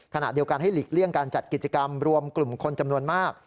ขณะเดียวกันให้หลีกเลี่ยงการจัดกิจกรรมรวมกลุ่มคนจำนวนมาก